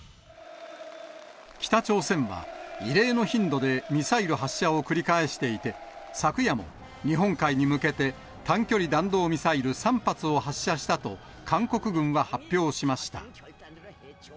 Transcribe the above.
北朝鮮は、異例の頻度でミサイル発射を繰り返していて、昨夜も日本海に向けて、短距離弾道ミサイル３発を発射したと、韓国軍は発表しました。